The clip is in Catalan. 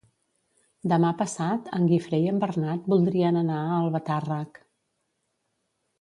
Demà passat en Guifré i en Bernat voldrien anar a Albatàrrec.